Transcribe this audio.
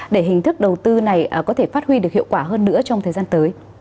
để hình thức đầu tư này có thể phát huy được hiệu quả hơn nữa trong thời gian tới